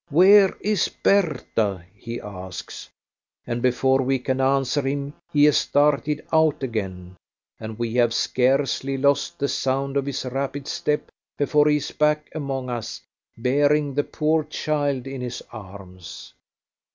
"Where is Bertha?" he asks, and before we can answer him he has darted out again, and we have scarcely lost the sound of his rapid step before he is back among us, bearing the poor child in his arms.